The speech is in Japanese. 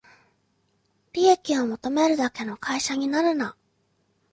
利益を求めるだけの会社になるな